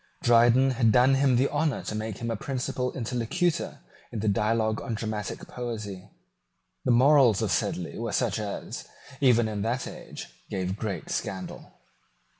Dryden had done him the honour to make him a principal interlocutor in the Dialogue on Dramatic Poesy. The morals of Sedley were such as, even in that age, gave great scandal.